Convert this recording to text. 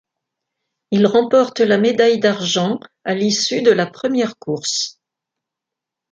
Il remporte la médaille d'argent à l'issue de la première course.